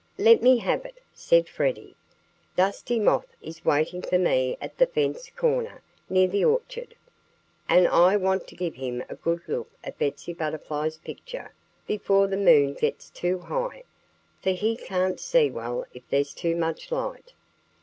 "Let me have it!" said Freddie. "Dusty Moth is waiting for me at the fence corner, near the orchard. And I want to give him a good look at Betsy Butterfly's picture before the moon gets too high, for he can't see well if there's too much light."